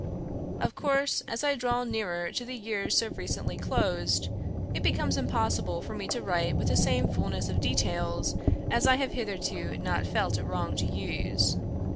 Of course, as I draw nearer to the years so recently closed, it becomes impossible for me to write with the same fulness of detail as I have hitherto not felt it wrong to use.